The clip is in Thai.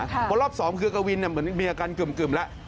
เพราะรอบสองคือกวินมีอาการกึ่มแล้ว